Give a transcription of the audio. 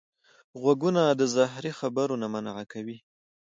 غوږونه د زهري خبرو نه منع کوي